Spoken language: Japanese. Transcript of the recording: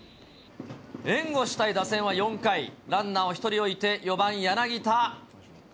援護したい打線は４回、ランナーを１人置いて４番柳田。